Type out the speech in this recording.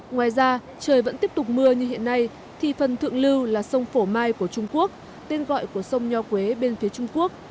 ngoài ra trời vẫn tiếp tục mưa như hiện nay thì phần thượng lưu là sông phổ mai của trung quốc tên gọi của sông nho quế bên phía trung quốc